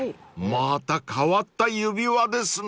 ［また変わった指輪ですねぇ］